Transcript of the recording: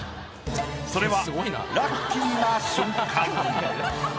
それはラッキーな瞬間。